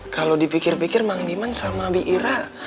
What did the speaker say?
kalau dipikir pikir bang diman sama irah